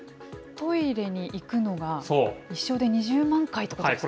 トイレに行くのが、一生で２０万回ってことですか。